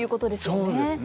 そうですね。